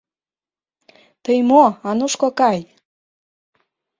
— Тый мо, Ануш кокай?!